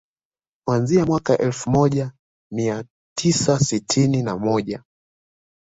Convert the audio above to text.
Kuanzia mwaka elfu moja mia tisa sitini na moja